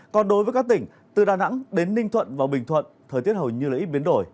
còn đối với các tỉnh từ đà nẵng đến ninh thuận và bình thuận thời tiết hầu như là ít biến đổi